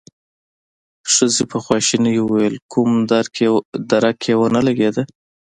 ښځې په خواشينۍ وويل: کوم درک يې ونه لګېد؟